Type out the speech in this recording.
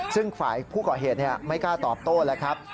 ซึ่งฝ่ายผู้ก่อเหตุไม่กล้าตอบโต้แล้วครับ